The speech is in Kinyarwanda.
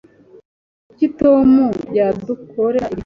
Kuki Tom yadukorera ibi